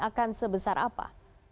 akan sebesar apa